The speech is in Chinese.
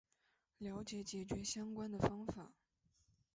了解解决相关的方法